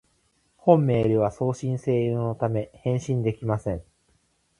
本メールは送信専用のため、返信できません